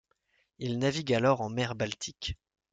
Il navigue alors en mer Baltique.